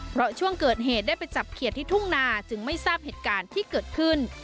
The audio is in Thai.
เพราะช่วงเกิดเหตุได้ไปจับเขียดที่ทุ่งนาจึงไม่ทราบเหตุการณ์ที่เกิดขึ้น